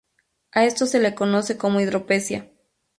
A esto se le conoce como hidropesía.